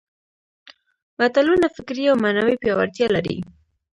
متلونه فکري او معنوي پياوړتیا لري